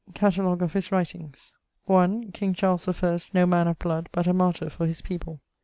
<_Catalogue of his writings._> 1. King Charles the First no man of blood, but a martyr for his people.